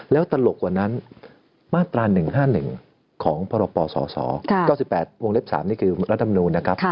แล้วตลกกว่านั้นมาตรา๑๕๑ของพรปศ๙๘วงเล็บ๓นี่คือรัฐมนูลนะครับ